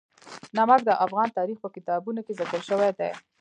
نمک د افغان تاریخ په کتابونو کې ذکر شوی دي.